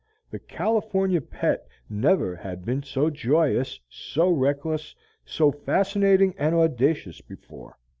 The "California Pet" never had been so joyous, so reckless, so fascinating and audacious before.